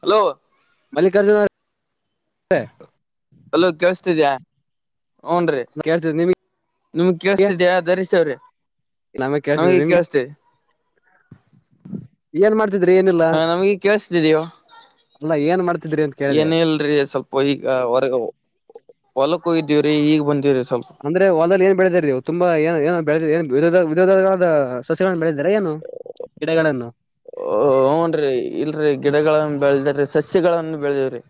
Hello Mallikarjuna ಅವರ್ hello ಕೇಳಸ್ತಿದ್ಯಾ ಹ್ನ್ ರೀ ಕೇಳ್ತಿದ್ ನಿಮ್ಗೆ ನಿಮ್ಗ್ ಕೇಳಸ್ತಿದಿಯಾ ಧರಿಸವ್ರಿ ನನಗೆ ಕೇಳ್ಸತ್ತಿದೆ ನಿಮ್ಗೆ ಏನ್ ಮಾಡ್ತಿದ್ರಿ ಏನಿಲ್ಲ ಹ ನಮಗೆ ಅಲ್ಲ ಏನ್ ಮಾಡ್ತ ಏನ್ ಇಲ್ರಿ ಸ್ವಲ್ಪ ಈಗ ಹೊರಗ ಹೊಲಕ್ಕು ಇದ್ದೀವ್ರಿ ಈಗ ಬಂದಿವವ್ರಿ ಅಂದ್ರೆ ವಲ್ಲ್ಲಿ ಏನ್ ಬೆಳೆದ ಇರ್ೀವು ತುಂಬ ಏ ಏಏೋ ವಿರೋಧಗಳಾದ ಸಸ್ಯ ಬೆಳೆದ ಹ್ನ್ ರೀ ಇಲ್ರಿ ಗಿಡಗಳನ್ನ ಬೆಳೆದ್ರ ಸಸ್ಯಗಳನ್ನು ಬೆಳೆದವ್ರಿ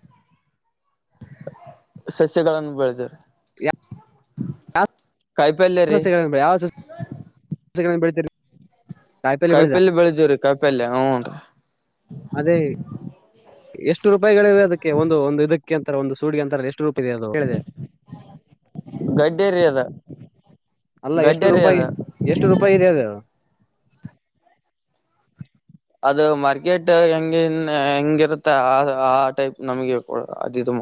ಸಸಕಾಲ ಬೆಳತಾರೆ ಕಾಯಪಲ್ಲ ಯಾವ ರೀ ಸಸ್ಯಗಳನ್ನ ಬೆಳೆ- ಯಾವ ಸಸ್ಯಗಳನ್ನ ಬೆಳಿತೀರಿ ಕಾಯಿಪಲ್ಲೆ ಕಾಯಿ ಬೆಳೆದ ಪಲ್ ಬೆಳದೇವ್ರೀ ಕಾಯಿ ಪಲ್ಯ ಹ್ನ್ ರೀ ಅದೇ ಎಷ್ಟು ರೂಪಾಯಿಗಳಿವೆ ಅದಕ್ಕೆ ಒಂದು ಒಂದು ಇದಕ್ಕೆ ಅಂತಾರೆ ಒಂದು ಸೂಡ್ಗೆ ಅಂತಾರೆ ಎಷ್ಟು ಇಲ್ಲ ಗಡ್ಡೆ ರೀ ಅದ ಅಲ್ಲ ಎಷ್ಟು ಗಡ್ಡೆ ರೀ ರೂಪಾಯಿ ಅದ ಎಷ್ಟು ರೂಪಾಯಿ ಇದೆಯ ಅ ಅದು ಮಾರ್ಕೆಟ್ ಹೆಂಗನ್ ಹೆಂಗಿರುತ್ತೆ ಆ ಟೈಪ್ ನಮಗೆ ಅದುದು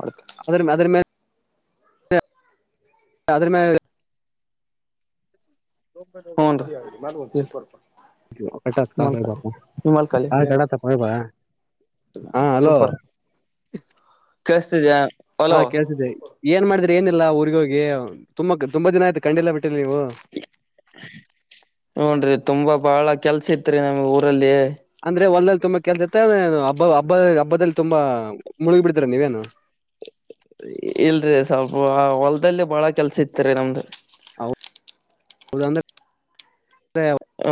ಅದ್ರ ಅದ್ರ ಮೇಲೆ ಅದ್ರ ಮೇಲೆ ಹ್ಞನ್ ರ ಕಟ್ಟತ್ ಕಪ ನಿಮ್ಮಲ್ಕಲ್ಲಿ ಕ ಕಡತ್ಪ್ಪಬಾ ಸೂಪರ್ ಕಷ್ಟತ ಜ ಹಾ ಹಲೋ ಕೇಳ್ತಿದ್ದೆ ಏನ್ ಮಾಡಿದ್ರಿ ಏನಿಲ್ಲ ಊರ್ಗ ಹೋಗಿ ತುಂಬಾ ತುಂಬಾ ದಿನ ಆಯ್ತು ಕಂಡಿಲ್ಲಾ ಬಿಟ್ಟಿ ನೀವು ಹೂನ್ ತುಂಬಾ ಬಾಳ ಕೆಲ್ಸ ಇತ್ರಿ ನಮ್ ಊರಲ್ಲಿ ಅಂದ್ರೆ ಹೊಲ್ಲ್ಲಿ ತುಂಬಾ ಕೆಲ್ಸ ಇತ್ತ ಅಂದ ಹಬ್ಬ ಹಬ್ಬ ಹಬ್ಬದಲ್ಲಿ ತುಂಬಾ ಮುಳುಗಿ ಬಿಡ್ತರ ನೀವೇನು ಇಲ್ಲ ಇಲ್ರಿ ಸ್ವಲ್ಪ ಆ ಹೊಲ್ದಲ್ಲಿ ಬಾಳ ಕೆಲ್ಸ ಇತ್ತರಿ ನಮ್ದು ಹೌದಂದ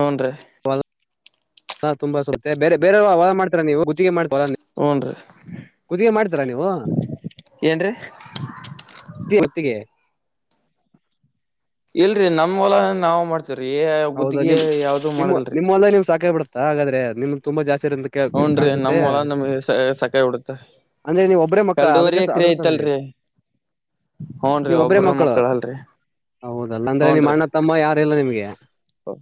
ಹ್ನ್ ರೀ ಹಾ ತುಂಬಾ ಸುತ್ತೆ ಬೇರೆ ಬೇರೆವ ವಾದ ಮಾಡ್ತಾರ ನೀವು ಗುತ್ತಿಗೆ ಮಾಡ್ತ ಬರ ಹೂನ್ರಿ ಕುದಿಗೆ ಮಾಡ್ತೀರಾ ನೀವು ಏನ್ರೀ ಹೊತ್ತಿಗೆ ಇಲ್ರರಿ ನಮ್ ಹೊಲ ನಾವವು ಮಾಡ್ತೇವ್ರೀ ಹೌದಾ ಗುದ್ದಿಗೆ ನಿಮ್ ಯಾವ್ದೂ ನಿಮ್ಮ ಮಾಡಗಲ್ರರಿ ನಿಮ್ಮ ಹೊಲ ನಿಮ್ ಸಾಕಾಗಿ ಬಿಡುತ್ತಾ ಹಾಗಾದ್ರೆ ನಿಮ್ಗೆ ತುಂಬಾ ಜಾಸ್ತಿ ಇರ ಕಾಣಸುತ್ತೆ ನಮ್ಮ್ ಮೊಲ ನಮಗೆ ಸಕಾಯ ಬಿಡುತ್ತೆ ಅಂದ್ರೆ ನೀವ್ ಒಬ್ಬ್ರೇ ಮಕ್ಕಳ ಅದಕ್ಕೆ ಕಲ್ಡೂರಿಕ್ರೀ ಅದ್ರ ಸಲ ಐತಲ್ರಿ ಹ್ನ್ ನೀವ್ ಒಬ್ಬ್ರೇ ಒಬರ ಮಕ್ಕಳು ಮಕ್ಕಳ ಅಲ್ರಿ ಹೌದಲ್ಲ ಅಂದ್ರೆ ನಿಮ್ಮ್ ಅಣ್ಣ ತಮ್ಮ ಯಾರಲ್ಲ ನಿಮ್ಗೆ ಹ್ಮ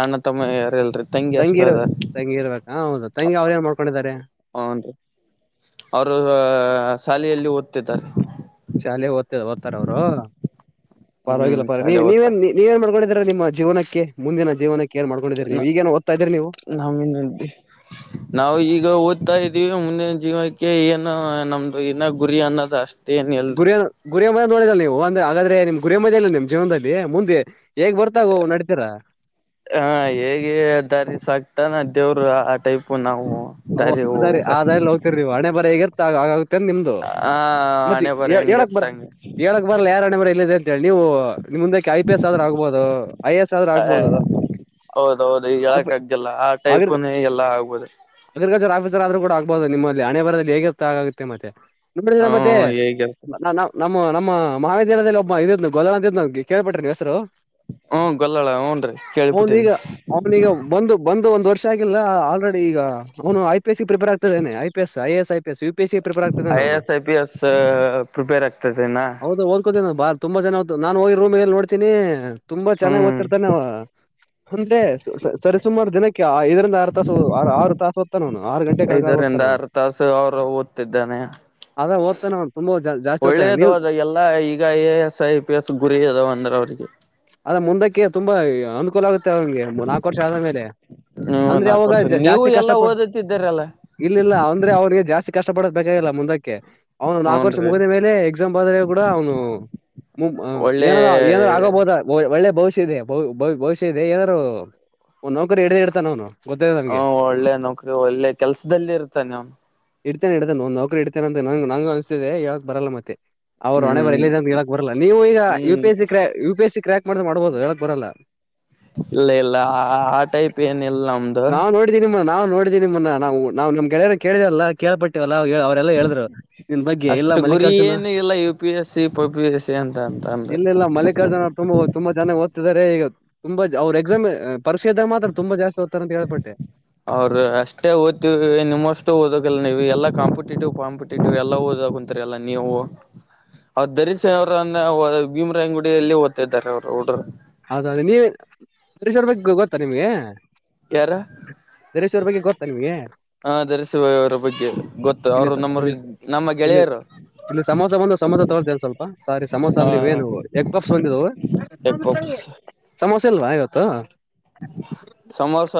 ಅಣ್ಣ ತಮ್ಮ ಯಾರಲ್ರಿ ತಂಗಿರ್ ತಂಗಿ ಇರ್ಬೇಕಾ ಹೌದ ತಂಗಿ ಅವ್್ರೇನ್ ಮಾಡ್ಕೊಂಡಿದಿದ್ದಾರೆ ಹನ್ರಿ ಅವರು ಶಾಲೆಯಲ್ಲಿ ಓದ್ತಿದ್ದಾರೆ ಶಾಲೆ ಓದ್ತದ ಓ್ತಾರ ಅವ್ರು ಹ್ಮ್ ಪರವಾಗಿಲ್ಲ ಪರ ನೀ ಶಾಲೆ ಓದ್ತ ನೀವೇನ್ ನೀವೇನ್ ಮಾಡ್ಕೊಂಡಿದ ನಿಮ್ಮ ಜೀವನಕ್ಕೆ ಮುಂದಿನ ಜೀವನಕ್ಕೆ ಏನ್ ಮಾಡ್ಕೊಂಡಿದೀರಿ ನೀವು ಈಗೇನ್ ಓದ್ತಾ ಇದೀರಿ ನೀವು ನ ನಾವವು ಈಗ ಹಡ್ತಾ ಇದ್ದೀವಿ ಮುಂದಿನ ಜೀವನಕ್ಕೆ ಏನು ನಮ್ದು ಇನ್ನ ಗುರಿ ಅನ್ನೋದು ಅಷ್ಟೇ ಏನ್ ಎಲ್ರಿ ಗುರಿಯ ಗುರಿಯ ಮದ ನೋಡಿದಲ್ಲ ನೀವು ಅಂದ್ರೆ ಹಾಗಾದ್ರೆ ನಿಮ್ ಗುರಿಯದ ಅಲ್ಲ ನಿಮ್ ಜೀವನದಲ್ಲಿ ಮುಂದೆ ಹೇಗ್ ಬರ್ತಾಗ ನಡೀತೀರಾ ಹಾ ಹೇಗೆ ದಾರಿ ಸಾಕ್ತ ಮಾನ ದೇವ್ರು ಆ ಟೈಪ್ ನಾವು ಓ ದಾರಿ ಆದ ಹೋಗ್ಬೇಕಷ್ಟ ಆದಾರಿಲ್ಲಿ ಹೋಗ್ತರಿವು ಹಣೆ ಬರ ಹಗಿರ್ತ್ತ ಆ ಆಗ ಆಾಗತ ನಿಮ್ದು ಹ ಮತ್ತೆ ಹಣೆ ಬರ ಹೇಳಕ್ ಬರ ಹೆಂಗಿರ್ತಂಗ ಹೇಳಕ್ ಬರಲ್ಲ ಯಾರಣೆ ಬರ ಇಲ್ಲಿದೆ ಅಂತೇಳಿ ನೀವು ನಿಮ್ ಮುಂದಕ್ಕೆ ಐ ಪಿ ಎಸ್ ಆದ್ರೂ ಆಗ್ಬಹುದು ಐ ಎಸ್ ಆದ್ರೂ ಆಗ್ಬಹದು ಹೌದೌದು ಈ ಹೇಳಕ ಆಗ್ಗೆಲ್ಲ ಆ ಟೈಪ್ನ ಎಲ್ಲ ಆಗ್ಬೋದು ಆರ ಆದ್ರೂ ಕೂಡ ಆಗ್ಬಹದು ನಿಮ್ಮಲ್ಲಿ ಹಣೆ ಬರದಲ್ಲಿ ಹೇಗಿರ್ ಆಗುತ್ತೆ ಮತ್ತೆ ನಿಂದರ ಹ್ಮ ಮದ್ಯೆ ಹೇಗಿರ್ತ ನ್ನವ್ ನಾ ನಮ್ಮ ನಮ್ಮ ಮಹಾವಿದ್ಯಾಲಯದಲ್ಲಿ ಒಬ್ಬ ಇದ ಗದಲ ಅಂತ ಕೇಳ್ಿಟ್ಟ್ರಿ ನೀವು ಹೆಸರು ಹ್ಮ ಗೊಲ್ಲಳ ಹೂನ್ರಿ ಕೇಳ್ಬಿಟ್ಟೀನಿ ಅವನೀಗ ಅವನೀಗ ಬಂದು ಬಂದು ಒಂದ್ ವರ್ಷ ಆಗಿಲ್ಲ ಆಲ್ರೆಡಿ ಈಗ ಅವನು ಐ ಪಿಸ್ ಸಿ ಪ್ರಿಪೇರ್ ಆಗ್ತ ಇದಾನನೆ I P S I S I S P C prepare I ಆಗ್ತದೆನು A S I P S prepare ಆಗ್ತದೆನಾ ಹೌದ ಓದ್ಕೋತೇ ನ ಬಾ ತುಂಬ ಜನ ಆತು ನು ಹೋಗಿ ರೂಮ್ಗೆಲ್ಲಿ ನೋಡ್ತೀನಿ ತುಂಬಾ ಚೆನ್ನಾಗ ಹ್ಮ್ ಓದ್ತಿರ್ತಾನೆ ಅಂದ್ರೆ ಸರಿಸುಮಾರು ದಿನಕ್ಕೆ ಐದರ ಆರು ತ ಆರು ತಾಸ ಹದತ್ತ ನಾನು ಐದರಿಂದ ಆರು ತಾಸ ಅವ್ರು ಓದ್ತಿದ್ದಾನೆ ಅದ ಓದ್ತಾನ ಅವ್ನು ತುಂಬಾ ಜಾಸ್ತಿ ಓದ್ತಾನೆ ಒಳ್ಳೇದು ನೀವು ಅದ ಎಲ್ಲಾ ಈಗ A S I P S ಗುರಿ ಅದಾವ ಅಂದ್ರೆ [inaudible] ಅದ ಮುಂದಕ್ಕೆ ತುಂಬಾ ಅನುಕೂಲ ಆಗುತ್ತೆ ಗೆ ನಾಲ್ಕು ವರ್ಷ ಆದ ಮೇಲೆ ಹ್ಮ ಅಂದ್ರೆ ನಾಲ್ಕು ಅವಾಗ ವರ್ಷ ನೀವು ಜಾಸ್ತಿ ಕಷ್ಟ ಎಲ್ಲಾ ಪಡ್ ಓದತಿದ್ದೀರಲ್ಲ ಇಲ್ಲ ಇಲ್ಲ ಅವಂದ್ರೆ ಅವ್ರಿಗೆ ಜಾಸ್ತಿ ಕಷ್ಟ ಪಡ ಬೇಕಾಗಿಲ್ಲ ಮುಂದಕ್ಕೆ ಅವನು ನಾಲ್ಕು ವರ್ಷ ಹೂನ್ರಿ ಮುಗಿದ ಮೇಲೆ ಎಕ್ಸಾಮ್ ಬಾದ್ರ ಕೂಡ ಅವನು ಒಳ್ಳೆ ಏನಾದ ಏನಾರ ಆಗೋಬಹುದ ಒಳ್ಳೆ ಬಹಷಃ ಇದೆ ಬಹುಷಃ ಇದೆ ಏನಾರರು ಒ ನೌಕರಿ ಇಡ್ದ ಇಡ್ತಾನ ಅವನು ಗೊತ್ತಿದೆ ನಮ್ಗೆ ಹ್ಮ ಒಳ್ಳೆ ನೌಕರಿ ಒಳ್ಳೆ ಕೆಲ್ಸದಲ್ಲಿ ಇರ್ತಾನೆ ಅವನು ಇಡ್ತೇನೆ ಇತೆ ಒಂದ ನೌಕರಿ ಇಡ್ತೇನೆ ಅ ನಂಗ ಅನ್ಸತಿದೆ ಹೇಳಕ್ ಬರಲ್ಲ ಮತ್ತೆ ಅವ್ರು ಹೊಣೆ ಬರ್ ಹ್ಮ್ ಇಲ್ಲ ಇದ ಹೇಳಾಕ್ ಬರಲ್ಲ ನೀವು ಈಗ ಯು ಹ್ಮ್ ಪಿ ಎಸ್ ಸಿ ಕ್ರ U P S C crack ಮಾಡಸ ಮಾಡ್ಬೋದು ಹೇಳಕ್ ಬರಲ್ಲ ಇಲ್ಲ ಇಲ್ಲ ಆ ಟೈಪ್ ಏನ ಇಿಲ್ಲ ನಮ್ದು ನಾವು ನೋಡಿದೀವಿ ನಾವು ನೋಡಿದೀಿ ನಿಮ್ಮನ್ನ ನಾವು ನಾವು ನಮ್ಗೆೆಯನ ಕೇಳಿದೆೇ ಅಲ್ಲ ಕೇಳ್ಪಟ್ಟೇವ ಎಲ್ಲ ಅವರೆಲ್ಲಾ ಹೇಳಿದ್ರು ನಿನ್ ಬಗ್ಗೆ ಇಲ್ಲ ಅಷ್ಟು ಗುರಿ ಮಲ್ಲಿಕಾರ್ಜುನ ಏನು ಇಲ್ಲ ಯು ಪಿ ಎಸ್ ಸಿ ಪ ಪಿ ಎಸ್ ಸಿ ಅಂತ ಅಂತ ಅಂದ ಇಲ್ಲ ಇ ಮಲ್ಲಿಕಾರ್ಜುನ ಅವ್ ತುಂಬಾ ಹದ್ ತುಂಬಾ ಚನ್ನಾಗಿ ಓದ್ತಿದ್ದಾರೆ ಈಗ ತುಂಬಾ ಅವರು ಎಕ್ಸಾಮ್ ಪರೀೆ ಇದಾಗ ಮಾತ್ರ ತುಂಬ ಜಸ್ತಿ ಓ ಅವರು ಅಷ್ಟೇ ಓದ್ತವಿ ನಿಮ್ಮಷ್ಟು ಓದಕಲ್ಲ ನೀವು ಎಲ್ಲ ಕಾಂಪಿಟೇಟಿವ್ ಕಾಂಪಿಟೇಟಿವ್ ಎಲ್ಲ ಓದ ಕುಂತರಿ ಎಲ್ಲ ನೀವು ಅವ್ ದಧರಿಸರಿಸ ಅವ್ರನ್ನ ಭೀಮರಂಗುಡಿಯಲ್ಲಿ ಓದ್ತಾಿದ್ದಾರೆಾರೆ ಅವರು ಹಡ್ರರು ಹೌದೌದು ನೀವ ಬೇಶ್ವರ ಬಗ್ಗೆ ಗೊತ್ತಾ ನಿಮ್ಗೆ ಯಾರ ದರೇಶ್ವರ್ ಬಗ್ಗೆ ಗೊತ್ತಾ ನಿಮ್ಗೆ ಹಾ ಧರಿಸಿುವವರ ಬಗ್ಗೆ ಗೊತ್ತು ಇಲ್ಲಿ ಅವ್ರು ನಮ್ಮ್ರ ಇಲ್ಲಿ ನಮ್ಮ ಇಲ್ಲಿ ಗೆಳೆಯರು ಇಲ್ಲಿ ಸಮೋಸ ಬಂದು ಸಮೋಸ ತೊರ್ತೇಲ್ಲ ಸ್ವಲ್ಪ ಸಾರಿ ಸಮೋಸ ಹ ಅಲ್ಲಿ ಏನು ಎಗ್ ಪಪ್ಸ್ ಬಂದಿವು ಎಗ್ ಪಪ್ಸ್ ಸಮೋಸೆ ಇಲ್ವಾ ಇವತ್ತು ಸಮೋಸ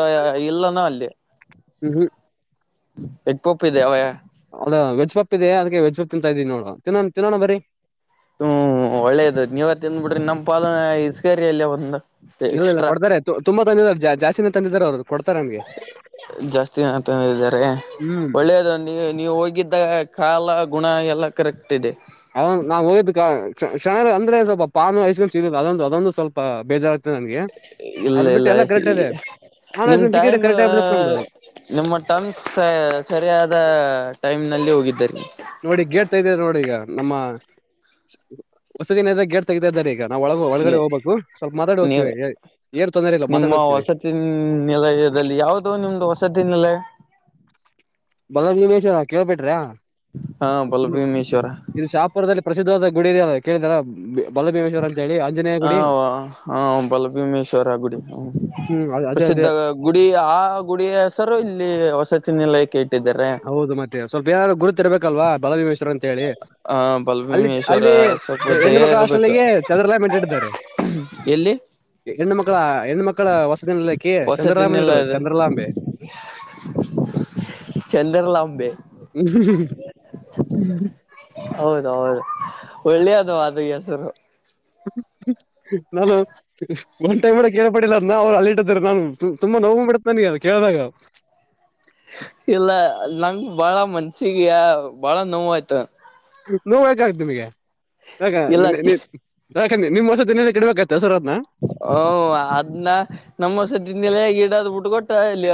ಇಲ್ಲನ ಅಲ್ಲಿ ಹ್ಮ್ ಹ್ಮ್ ಎಕ್ಕೊಪ್ಪಿದೆ ಅವಯ ಅದ ವೆಜ್ ಪಾಪ್ ಇದೆ ಅದಕ್ಕೆ ವೆಜ್ ಪಪ್ ತಿಂತಾ ಇದ್ದೀನಿೋಡ ತಿನ್ನೋಣ ತಿನ್ನೋಣ ಬರಿ ಹ್ಮ್ ಒಳ್ಳೇದ ನೀವ್ತ್ತನ್ ಬಿಡ್ರಿ ನಮ್ಮ ಪಾಾಲ ಇಸಕೇರಿ ಅಲ್ಲಿಯ ಒಂದ ಇಲ್ಲ ಇಲ್ಲ ಕೊಡ್ತಾರೆ ತುಂಬಾ ತಂದಿದ್ದಾರೆ ಜ ಜಾಸ್ತಿನೇ ತಂದಿದ್ದಾರೆ ಅವರು ಕೊಡ್ತಾರೆ ನಮ್ಗೆ ಜಾಸ್ತಿತ ಇದಿದ್ದಾರೆ... ಹ್ಮ್ ಒಳ್ಳೇದು ನೀ ನೀವು ಹೋಗಿದ್ದ ಕಾಲ ಗುಣ ಎಲ್ಲ... ಕರೆಕ್ಟ್ ಇದೆ ಅದ ನಾವು ಹೋ ಕ್ಷಣ ಅಂದ್ರೆ ಸ್ವಲ್ಪ ಪಾ ಹಸ್ಕೊಂಡ್ ಸಿಗ ಅದಂದು ಅದೊಂದು ಸ್ವಲ್ಪ ಬೇಜಾರತ... ಇಲ್ಲ ಇಲ್ಲರಿ ನಿಮ ಮಾನಸ್ ಸಿಕ್ಕಿದ್ರೆ ಟೈಮ್... ಕರೆಕ್ಟ್ ಆಗ್ಬಿಡುತ್ತೆ ನಮ್ದು ನಿಮ್ಮ ಟಮ್ಸ್ ಸರಿಯಾದ ಟೈಮ್ ನಲ್ಲಿ ಹೋಗ... ನೋಡಿ ಗೇಟ್ ತೆಗ ನೋಡಿ ಈಗ ನಮ್ಮ ಹೊಸದಿನದ ಗೇಟ್ ತೆಗ್ದ್ದಾರೆ ಈಗ.. ನಾವು ಒಳಗ ನೀ ಒಳಗಡೆ ಹೋಗ್ಬೇಕು ಸ್ವಲ್ಪ ಮಾತಾಡಿ ನೀವು ಹೋಗ್ತಿೀವಿ ಏರ್ ತೊಂದರೆ ಇಲ್ಲ ಮಾತಾಡಿ ಹೋಗ್ತಿೀವಿ... ದಲ್ಲಿ ಯಾವವು್ದೋ ನಿಮ್ದು ವಸದಿನಲ್ಲ... ಬಲ ನಿಮೇಶ್ವರ ಕೇಳ್ಬಿಟ್ರಿ.... ಹಾ ಇ ಬಲಭೀಮೇಶ್ವರ ಇಲ್ಲಿ ಶಾಹಪುರದಲ್ಲಿ ಪ್ರಸಿದ್ಧವಾದ ಗುಡಯಿದೆಯಲ್ಲ ಕೇಳಿದಾರ ಬಲಭೀಮೇಶ್ವರ.... ಹೇಳಿ ಆಂಜನೇಯ ಹ ಗುಡಿ ಹಾ ಬಲಭೀಮೇಶ್ವರ ಗುಡಿ... ಹ್ಮ್ ಅದ್- ಅದೇ ಪ್ರಸಿದ್ಧ ಅದೇ ಗುಡಿ ಆ ಗುಡಿಿಯ ಹೆಸರು ಇಲ್ಲಿ ವಸತಿನ ಲಯಕ ಇ... ಹೌದು ಮತ್ತೆ ಸ್ವಲ್ಪ ಏನಾರು ಗುರುತ್ತ ಇರ್ಬೇಕಲ್ವಾ ಬಲಭೀಮೇಶ್ವರ್ ಅಂತ ಹೇಳಿ ಆ ಅಲ್ಲಿ ಬಲಭೀಮೇಶ್ವರ ಅಲ್ಲಿ... ಸ್ವಲ್ಪ ಹೆಣ್ಣು ದಯ ಇರ್ಬೇಕು ಮಕ್ಕಳಾಸ್ನಲ್ಲಿಗೆ ಚಂದ್ರಲ ಮಿಟಾಡಿದ್ದಾರೆ.... ಎಲ್ಲಿ ಹೆಣ್ಣ ಮಕ್ಕಳ ಹೆಣ ಮಕ್ಕಳ ಹೊಸದಿನಲಿಕ್ಕೆ ಚಂದ್ರಲಾಂಬೆಡರು ಚಂದ್ರಲಾಂಬೆ.... ಚಂದ.. ಇಲ್ಲ ಅಂಬೆ ಹೌದ ಹೌದು.. ಒಳ್ಳೆಯ ಅದ ಅದು ಹೆಸರು... ನಾನು ಒಂದ್ ಟೈಮ್ಡ ಕೇಳ್ಪಡ್ಟಿಲ್ಲ ಅಂದ ಅವ್ರು ಅಲ್ಲಿಟ್ಟರು ನಾನು ತುಂಬಾ... ನೋಗ್ ಬಿಡ್ತಾನಿ ಅದು ಕೇಳ್ದಾಗ... ಇಲ್ಲ ನಂಗ ಬಾಳ ಮನ್ಸಿಗೆಯ ಬಾಳ ನೋವು ಆಯ್ತು... ನೋ ಆ್ತು ನಿಮಗೆ ಯಾಕ ಇಲ್ಲ ನಿಾ ನಿಮ್ ಹೊಸದನ್ನೇ ಕೆಡಬೇಕೆ.... ಓ ಅದ್ನ್ನ ನಮ್ಮಸದಿಂದೆಲ್ಲಗ... ಅದ ಬಿಡ್ ಕೊೊಟ್ಟ ಇಲ್ಲಿ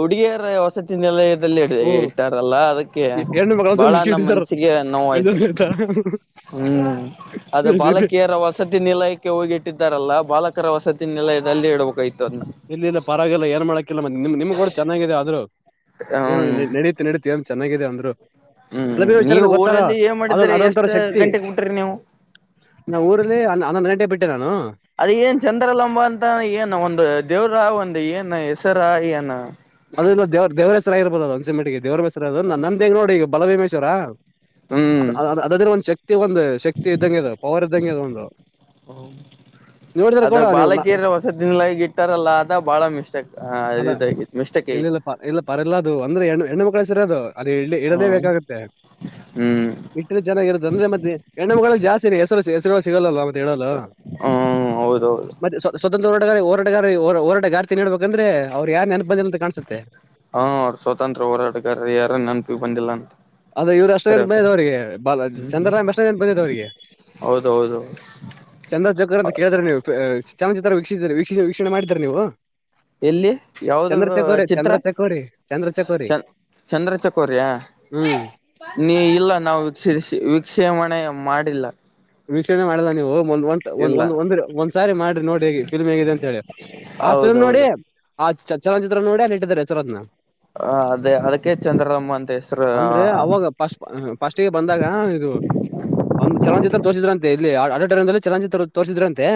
ಹುಡುಗಿಯರ ವಸತಿ ನೆಲ... ದಲ್ಲಿ ಓ ಇಟ್ಟಾರಲ್ಲ ಅದಕ್ಕೆ ಎ- ಹೆಣ್ಣು ಮಗಳ ಬಹಳ ವಸತಿ ನಮ್ಮ್ ಕಿಡಿದಾರ ಮನ್ಸಿಗೆ ನೋಾಯ್ತು... ಬೇಜಾರ್ ಆಯ್ತಾ ಹ್ಮ್ ಅದು ಬಾಲಕಿಯರ ವಸತಿ ನಿಲಯ. ಇಟ್ಟಿದ್ದಾರಲ್ಲ ಬಾಲಕರ ವಸತತಿನೆಲ್ಲಯದಲ್ಲಿ ಇಡಬೇಕಾಗಿತು.... ಇಲ್ಲಿ ಇಲ್ಲ ಪರವಾಗಿಲ್ಲ. ಏನ್ ಮಾಡಕಿಲ್ಲ ನಿಮ್ ನಿಮ್ ಗೋಡ ಚೆನ್ನಾಗಿದೆ. ಆದ್ರರು ಏನು ಹ್ಮ್ ನಡೀತು ನಡೀತ... ತೆಮ್ ಚನ್ನಾಗಿದೆ ಅಂದ್ರು.. ಹ್ಮ್ ಗಲಭೀ ವಿಷಾರ ನೀವು ಗೊತ್ತಾರ ಊರಲ್ಲಿ ಏನ್ ಅದೊ ಮಾಡಿದ್ರಿ ಅದೊಂಂತರ ಎಷ್ಟ್ ಶಕ್ತಿ.... ಗಂಟೆಗೆ ಬಿಟ್ರಿ ನೀವು ನಾ ಊರಲ್ಲಿ ಹನ್ನೊಂದು್ ಗಂಟೆಗೆ ಬಿಟ್ಟಿರನಾ ಅದ ಏನ್ ಚಂದ್ರಲಂಬ ಅಂತ ಏನು ಒಂದು ದೇವ್ರ ಒಂದು ಏನ್ ಹೆಸರಾ ಏನ್.... ಅದ ಇಲ್ಲ ದೇವ್ ದೇವರೇಶ್ವರಗಿಬೋದು ಅ ಒಂದ್ಸಂಟಿಗೆ ದೇವರೇಶ್ವರ ಅ್ರ ನಂದ ಹ ಹೆಂಗ ನೋಡಿ ಈಗ ಬಲಭೀಮೇಶ್ವರ.... ಹ್ಮ್ ಅದಾದ್ರೆ ಒಂದು ಶಕ್ತಿ ಒಂದು ಶಕ್ತಿ ಇದ್ದಂಗೆ ಅದು ಪವರ್ ಇದ್ದಂಗೆ ಅದು ಒಂದು.... [inaudible] ನೋಡಿದ್ರೆ ಅದ ಕೂಡ ನೀವು ಬಾಲಕಿಯರ ವಸತಿ ನಿಲಯಕ್ಕೆ ಇಟ್ಟಾರಲ್ಲ ಅದ ಬಾಳ ಮಿಸ್ಟೆಕ್ ಹ ಅದ ಇದಾಗಿತ್ತು. ಮಿಸ್ಟೇಕ್ ಇಲ್ಲ ಐತಿ ಇಲ್ಲ ಪ ಇಲ್ಲ ಪರ ಇಲ್ಲ ಅದು ಅಂದ್ರೆ ಹೆಣ್ಣ ಹೆಣ್ಮ ಮಕ್ಳು ಹೆ ಸರ ಅದು.. ಅದು ಇಡ್ಲಿ ಇಡದೆ ಹ್ಮ್ ಬೇಕಾಗತ್ತೆ. ಹ್ಮ್ ಇಟ್ಟ್ರ ಚೆನ್ನಾಗಿ ಇರುತ್ತ ಅಂದ್ರೆ ಮತ್ತೆ ಹೆಣ್ಣುಗಳಲ್ಲಿ ಜಾಸ್ತಿಿನ ಹೆಸರು... ಹೆಸರು ಸಿಗಲ್ಲಲ್ವಾ ಮತ್ತೆ ಹೇಳಲ್ಲ ಹ್ಮ್ ಹೌದೌದು ಮತ್ತೆ ಸ್ವ ಸ್ವತಂತ್ರ. ಟಗರಿಗೆ ಹೋರಾಟಗಾರಿಗೆ ಹೋರಾಟ ಗಾರ್ತಿ ನಡ್ಬೇಕ ಅಂದ್ರೆ ಅವ್ ಯಾರನ್ ನೆನ್ಪು ಬಂದಿಲ್ಲ ಅಂತ ಕಾಣ್ಸುತ್ತೆ ಹಾ ಅವ್ರ ಸ್ವಾತಂತ್ರ್ಯ ಹೋರಾಟಗಾರ ಯಾರ ನನ್ನಪಿ ಬಂದಿಲ್ಲ ಅಂತ... ಅದ ಇವ್ರು ಅಷ್ಟೊನ್ ಕರೆ ಬಂದ್ ಕರೆ ಅವ್ರಿಗೆ ಬ ಚಂದುರಾಮ್ ಮೇಷ್ಟ್ರೇ ಅಂತೆ ಬಯ್ಯದ್ ಅವ್ರಿಗೆ... ಹೌದೌದು ಚಂದ್ರ ಜಕರ್ ಅಂತ ಕೇಳಿದ್ರ ನೀವು. ಚಾಮನಚಿತ್ರ ವೀಕ್ಷಿಸ ವೀಕ್ಷಿಸಿ ವೀಕ್ಷಣೆ ಮಾಡ್ತೀರಾ ನೀವು... ಎಲ್ಲಿ ಯಾವ್ದ ಚಂದ್ರ ಚಕೋರಿ ಚಿತ್ರ ಚಂದ್ರ ಚಕೋರಿ ಚಂದ್ರ ಚಕೋರಿ ಚನ್ ಚಂದ್ರಚಕೌರ್ಯ.. ಹ್ಮ್ ನೀ ಇಲ್ಲ ನಾವುಕ್ಷ ವಕ್ಷೇಪಣೆ ಮಾಡಿಲ್ಲ... ವೀಕ್ಷಣೆ ಮಾಡ್ದ ನೀವು ಒಂದ ಇಲ್ಲ ಒಂದಂದ್ ಒಂದ್ಸಾರಿ ಮಾಡ್ರಿ ನೋಡಿ ಹೇಿ ಫಿಲ್ಮ್ ಹೇಗಿದೆ ಅಂತ ಹೇಳಿ. ಆ ಫಿಲ್ಮ್ ನೋಡಿ ಹೌದೌದು ಆ ಚ ಚಲನಚಿತ್ರ ನೋಡಿ ಅಲ್ಲಿ ಇಟ್ಟಿದ್ದಾರೆ. ಯಸರತ್ನ... ಅದೇ ಅದಕ್ಕೆ ಚಂದ್ರಮ್ಮ ಅಂತ ಹೆಸರು ಅಂದ್ರೆ ಅವಾಗ ಪಸ್ ಫಸ್ಟ್ಗೆ ಬಂದಾಗ ಇದು ಒಂದು ಚಲನಚಿತ್ರ ತೋರ್ಸಿದ್ರಂತೆ ಇಲ್ಲಿ ಆಡಿಟಾರಯಂ ಚಲನಚಿತ್ರ ತೋರ್ಸಿದ್ರಂತೆ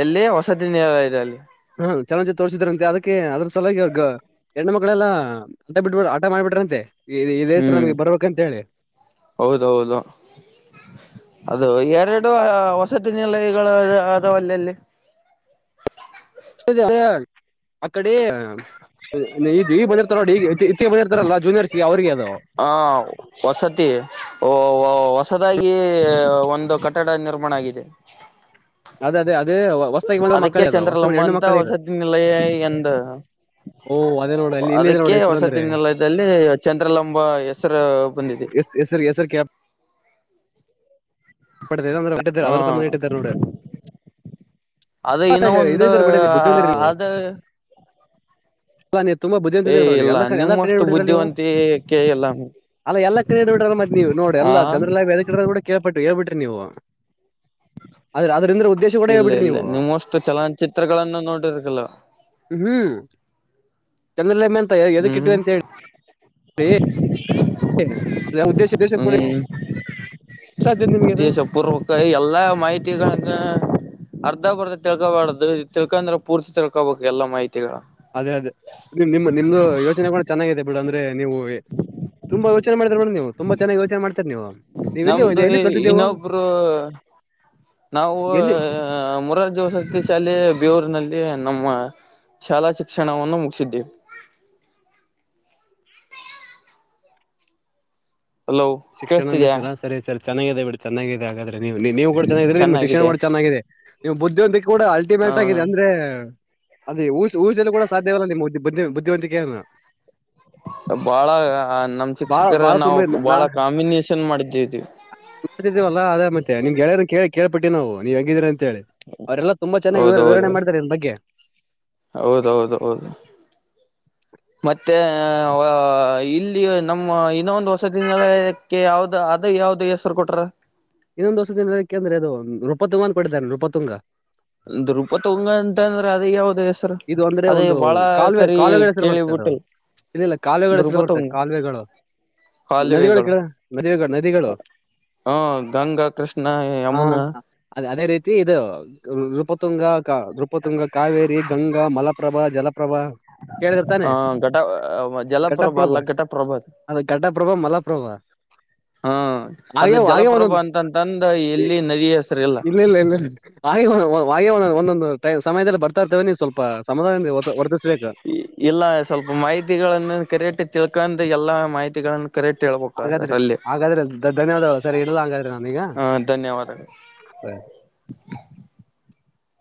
ಎಲ್ಲಿ ವಸತಿ ನಿಲಯದಲ್ಲಿ ಹ ಚಲೋಚಿ ತೋರ್ಸಿದ್ರಂತೆ ಅದಕ್ಕೆ ಅದ್ರ ಸಲಾಗಿ ಹೆಣ್ಣ ಮಕ್ಳೆಲ್ಲ ಆಟ ಬಿಬ ಹಠ ಮಾಡಿಬಿಟ್ರಂತೆ ಈ ಇದೇಸರ ಹ್ಮ್ ನಮ್ಗೆ ಬರ್ಬೇಕಂತ ಹೇಳಿ ಹೌದೌದು ಅದು ಎರಡು ಹೊಸತಿ ನಿಲಯಗಳು ಅದವಲ್ಲಲ್ಲಿ ಆ ಕಡಿ ನಿ ಈಗ ಬಂದಿರ್ತಾರ ನೋಡಿ ಈಗ ಇತ್ತ ಬಂದಿರ್ತಾರಲ್ಲ ಜೂನಿಯರ್ಸ್ಗೆ ಅವ್ರಿಗೆ ಅದೋ ಓ ಹೊಸದಾಗಿ ಒಂದು ಕಟ್ಟಡ ನಿರ್ಮಾಣ ಆಗಿದೆ ಅದೇ ಅದೇದ ಅದಕ್ಕೆ ಚಂದ್ರಲಂಬ ಅಂತ ಮಕ್ಕಳೇ ಇದು ಹೊಸತಿಿನಿಲ್ಲಯೇ ಎಂದ. ಓ ಅದೇ ನೋಡ ಅಲ್ಲಿ ಇಲ್ಲಿದೆ ಅದಕ್ಕೆ ನೋಡಿ ಹೆಸರು ಅಂದ್ರೆ ಹೊಸತಿಿನೆಲದಲ್ಲಿ ಚಂದ್ರಲಂಬ ಹೆಸರು ಬಂದಿದೆ. S S sir S sir ಕ್ಯಾ. ಟ್ಟಏಂದ್ರೆಟ್ಟ ಹ್ಮ ಅದ್ರರ ಸಮಧ ಇಟ್ಟಿದಿದ್ದಾರೆ ನೋಡ. ಅದು ಇನ್ನೊ ಒಂದು ಬಿಡಿ ನೀವು ಬುದ್ಧಿವಂತರಿ ನೀವು ಅದು. ಅಲ್ಲ ನೀ ತುಂಬಾ ಬುದಿ ಅಂತ ಇರ್ಬಿ ಎಲ್ಲ ಎಲ್ಲಾ ಕಣ ನಿಮ್ಮಷ್ಟು ಬಿಿಡಿಿರ ನೀವು ಬುದ್ಧಿವಂತಿಕೆ ಇಲ್ಲ ಅಲ್ಲ ಎಲ್ಲ ಕ ಬಿಿ್ರ ಮತ್ತ ನೀವು ನೋಡಿ ಹ ಎಲ್ಲ ಚಂದ್ರ ಲೈ್ ಕೂ ಕೇಳಪಟ್ಟ. ಹೇಳ್ಬಿಟ್ರಿ ನೀವು ಅ್ರ ಅದ್ರಂದ್ರ ಉದ್ದೇಶ ಕೂಡ ಹೇಳ್ಬಿಟ್ರಿ ನೀವು. ಎಷ್ಟ ಚಲನಚಿತ್ರಗಳನ್ನು ನೋಡಿರ್ತಿಿಲ್ಲ. ಚೆನ್ನಲ್ಲಮ್ಮ. ಹ್ಮ್್ಮ. [unintelligible] ದ ಉದ್ದೇಶ ಇ ದ ಕೊ. ಹ್ಮ್ ದೇಶ ಪೂರ್ವಕ ಎಲ್ಲಾ ಮಾಹಿತಿಗಳ. ಅರ್ಧ ಬರ್ಧ ತಿಳ್ಕೊಬಾರ್ದು ತಿಳ್ಕ ಅಂದ್ರೆ ಪೂರ್ತಿ ತಿಳ್ಕೊಬಬೇಕಕ್ ಎಲ್ಲಾ ಮಾಹಿತಿ. ಅದೇ ಅದೇ ನಿಮ ನಿಮ್ದು ಯೋಚನೆ ಕೂಡ ಚೆನ್ನಾಗಿದೆ ಬಿಡು ಅಂದ್ರೆ ನೀವು. ತುಂಬಾ ಯೋಚನೆ ಮಾಡ್ತಾರ ನೋಡ್ ನೀವು ತುಂಬಾ ಚೆನ್ನಾಗಿ ಯೋಚನೆ ಮಾಡ್ತಾರ ನೀವು ನೀ್ ಎಲ್ಲಿ ನಮ್ದು ಹ ಎಲ್ಲಿ ಕಲ್ತಿದ್ದೆವು. ಇನ್ನೊಬ್ರು ನಾವು ಮುರಾರ್ಜ ವಸತಿ ಶಾಲೆ ಬೇವೂರ್ನಲ್ಲಿ. ನಮ್ಮ ಶಾಲಾ ಶಿಕ್ಷಣವನ್ನು ಮುಗಿಸಿದ್ದೀವಿ. ಹಲೋ ಶಿಕ್ಷಣ ಕೇೇಳಸ್ತಿದಯಾ ಮಸ್ರ ಸರಿ ಸರಿ. ಚೆನ್ನಾಗಿದೆ ಬಿೇಡ ಚೆನ್ನಾಗಿದೆ ಹಾಗ್ರೆ ನೀವು ನೀವು ಕೂಡ ಚೆನ್ನಿದ್ರೆ ನಿಮ್ಮ ಶಿಕ್ಷಣ ಚೆನ್ನಾಗಿದೆ ಕೂಡ ಚೆನ್ನಾಗಿದೆ ನೀವು ಬುದ್ಧಿ. ಕೂಡ ಅಲ್ಟಿಮೇಟ್ ಆಗಿದೆ ಹ ಅಂದ್ರೆ. ಅದೇಊ ಊರ್ೊ ಕೂಡ ಸಾಧ್ಯವಲ್ಲ ನಿಮ್ಮ್ ಬುದ್ದಿ ಬುದ್ಧಿವಂತಿಕೆನ. ಬಾಳ ನಮ ಬಾಳ ಶಿಕ್ಷಕರ ಬಾಳ ನಾವು ಬಾಳ ಕಾಂಬಿನೇೇಶನ್ ಮಾಡಿದ್ದೇವಿ. ಅಲ್ಲ ನಾ ನೋಡ್ತಿದ್ದೇವಲ್ಲ ಅದೇ ಮತ್ತೆ ನಿಮ್ಗೆಾರ ಕೇಳ ಕೇಳ್ಿಟ್ಟಿ ನಾವು ನೀವು ಹೇಿದೀ್ರ. ಅೇಳಿ ಅವರೆಲ್ಲ ತುಂಬಾ ಚೆನ್ನಾಗಿ ವಿವರಣೆ ಹೌದೌದು ಮಾಡ್ತಾರೆ ಇದನ್ನ ಬಗ್ಗೆ. ಹೌದೌದು ಹೌದು. ಮತ್ತೆ ಇಲ್ಲಿ ನಮ್ಮ ಇನ್ನೊ ಒಂದು ವಸತಿ ನಿಲಯಕ್ಕೆ ಯಾವ್ದ ಅದು. ಯಾವ್ದ ಹೆಸ್ರು ಕೊಟ್ರ. ಇನ್ನೊಂದ್ಸ ದಿನಕ್ಕೆ ಅಂದ್ರೆ ಅದು ರೂಪ ತುಂಗ ಅಂತ ಬಿಟ್ಟಾರೆ ರೂಪ ತುಂಗ. ಒ್ ರೂಪ ತಗಂಗ ಅಂತ ಅಂದ್ರೆ ಅದ ಯಾವವು್ದ. ಸರ್ ಇದು ಅಂದ್ರೆ ಅದೇ ಒಂದು ಬಾಳ ಸರಿ ಕೇಳಿಬಿಟ್ಟೆ. ಇಲ್ಲಿಲ್ಲ ಕಾಲುವೆಗಳು ಹೆಸರು ಬರ್ತದೆ ಕಾಲುವೆಗಳು. ನದಿಗಳು ಕ ನದಿ ನದಿಗಳು. ಹಾ ಗಂಗಾ ಕೃಷ್ಣ ಯಮುನಾ. ಇ ಇದು ನೃಪತುಂಗ ನೃಪತುಂಗ ಕಾವೇರಿ ಗಂಗಾ ಮಲಪ್ರಭಾ ಜಲ. [unintelligible] ಹ ಘಟ ಜಲಪ್ರಭ ಅಲ್ಲ ಘಟಪ್ರಭ ಅದು. ಘಟ ಪ್ರಭ ಮಲಪ್ರಭ. ಹಾ. ಹಾಗೆ ಅದು ಆೆ ಒಂದ ಜಲಪ್ರಭಾ ಅಂತಂತಂದ ಎಲ್ಲಿ ನದಿ ಹೆಸರು ಇಲ್ಲ ಇಲ್ಲ ಇಲ್ಲ. ಒಂದೊಂದು ಸಮಯದಲ್ಲಿ ಬರ್ತಾರ್ತೇವೆ ನೀವು ಸ್ವಲ್ಪ ಸಮ. ಇಲ್ಲ ಸ್ವಲ್ಪ ಮಾಹಿತಿಗಳನ್ನು ಕರೆಟ್ಟಿ ತಿಳ್ಕೊಂಡ ಎಲ್ಲಾ ಮಾಹಿತಿಗಳನ್ನು. ಕರೆಕ್ಟ್ ಹೇಳ್ಬೇಕು ಹಾಗಾದ್ರೆ ಅದರಲ್ಲಿ ಹಾಗಾದ್ರೆ ಧನ್ಯವಾದಗಳು ಸರಿ ಇಲ್ಲ ಹಾಗಾದ್ರೆ ನಾನೀಗ. ಹ ಧನ್ಯವಾದಗಳು [unintelligible] [unintelligible]